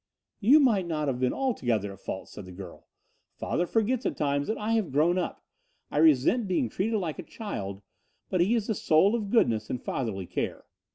"You might not have been altogether at fault," said the girl. "Father forgets at times that I have grown up. I resent being treated like a child, but he is the soul of goodness and fatherly care."